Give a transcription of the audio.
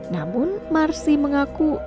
namun marsi mengaku